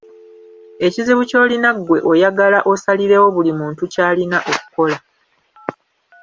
Ekizibu kyolina ggwe oyagala osalirewo buli muntu kyalina okukola.